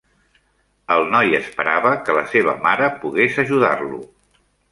El noi esperava que la seva mare pogués ajudar-lo